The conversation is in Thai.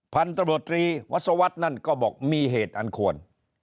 พันธบรตรีวัศวรรษนั่นก็บอกมีเหตุอันควร